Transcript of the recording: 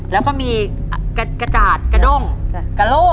แล้วก็มีกระจาดกระด้งกระโล่